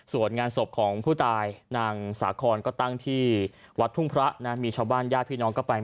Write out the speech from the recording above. ส่วนงานศพของผู้ตายนางสาคอนก็ตั้งที่วัดทุ่งพระนะมีชาวบ้านญาติพี่น้องก็ไป